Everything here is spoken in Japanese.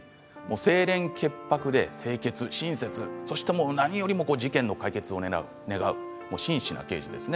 清廉潔白で清潔、親切そして何よりも事件の解決を願う、真摯な刑事です。